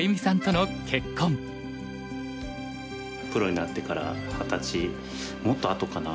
プロになってから二十歳もっとあとかな。